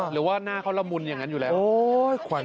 หรือว่าหน้าเขาละมุนอย่างนั้นอยู่แล้ว